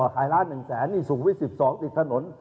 ขายล้าน๑แสนนี่สูงวิทย์๑๒ติดถนน